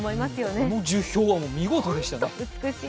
この樹氷は見事でしたね。